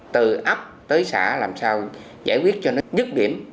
từ ấp tới xã làm sao giải quyết cho nó dứt điểm